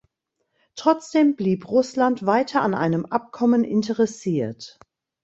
Trotzdem blieb Russland weiter an einem Abkommen interessiert.